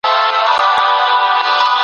هیلې مې ټولې مړاوې سوې دي.